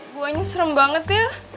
goanya serem banget ya